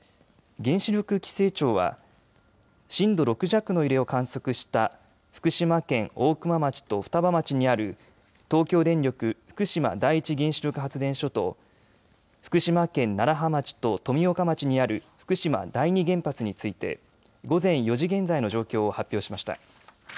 原子力規制庁は震度６弱の揺れを観測した福島県大熊町と双葉町にある東京電力福島第一原子力発電所と福島県楢葉町と富岡町にある福島第二原発について午前４時現在の状況を発表しました。